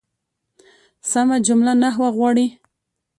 سمه جمله نحوه غواړي.